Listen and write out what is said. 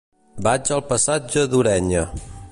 Vaig al passatge d'Ureña.